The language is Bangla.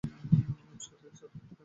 ছ থেকে সাত জনকে আমি বলেছি।